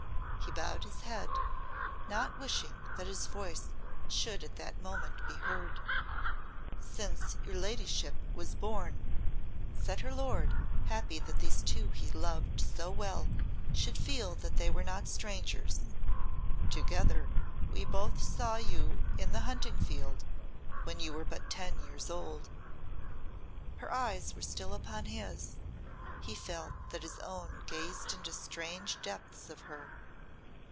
He bowed his head, not wishing that his voice should at that moment be heard. "Since your ladyship was born," said her lord, happy that these two he loved so well should feel they were not strangers. "Together we both saw you in the hunting field when you were but ten years old." Her eyes were still upon his he felt that his own gazed into strange depths of her.